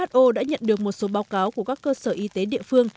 wo đã nhận được một số báo cáo của các cơ sở y tế địa phương